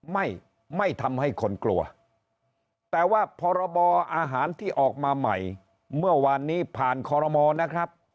ไม่ไม่ทำให้คนกลัวแต่ว่าพรบอาหารที่ออกมาใหม่เมื่อวานนี้ผ่านคอรมอลนะครับ